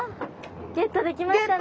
ゲットできましたね。